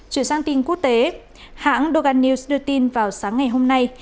chuyển sang tin quốc tế hãng dogan news đưa tin vào sáng ngày hôm nay